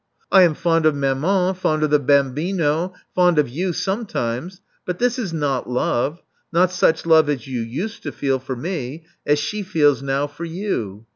I am fond of maman^ fond of the bant bino^ fond of you sometimes ; but this is not love — not such love as you used to feel for me — as she feels now for you.